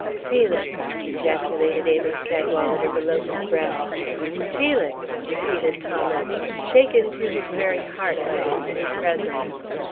"Felix!" ejaculated Amos Cadwalader below his breath. "Felix!" repeated Thomas, shaken to his very heart by this new presence.